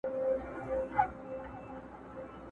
ما یې خالي انګړ ته وکړل سلامونه!